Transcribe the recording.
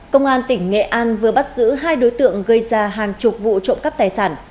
công an tỉnh nghệ an vừa bắt giữ hai đối tượng gây ra hàng chục vụ trộm cắp tài sản